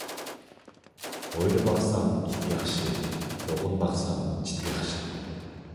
ھويلا باقساڭ ئىت ياخشى، قوغۇن باقساڭ چىت ياخشى.